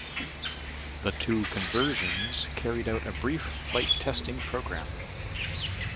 The two conversions carried out a brief flight testing programme.